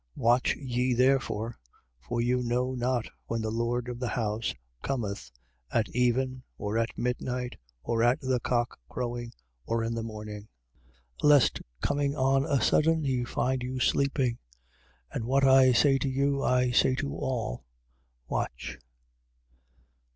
13:35. Watch ye therefore (for you know not when the lord of the house cometh, at even, or at midnight, or at the cock crowing, or in the morning): 13:36. Lest coming on a sudden, he find you sleeping. 13:37. And what I say to you, I say to all: Watch.